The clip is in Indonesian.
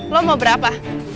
lo mau berapa